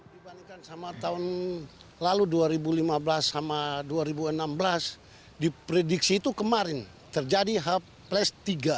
dibandingkan sama tahun lalu dua ribu lima belas sama dua ribu enam belas diprediksi itu kemarin terjadi h tiga